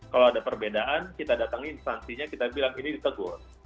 kalau ada perbedaan kita datang instansinya kita bilang ini di tegur